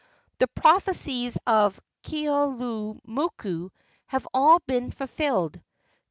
The prophecies of Keaulumoku have all been fulfilled.